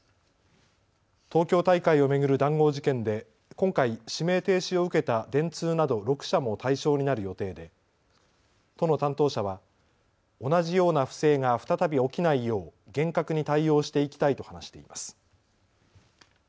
東京大会を巡る談合事件で今回指名停止を受けた電通など６社も対象になる予定で都の担当者は同じような不正が再び起きないよう厳格に対応していきたいと話しています。